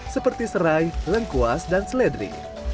seperti serai lengkuas dan seledri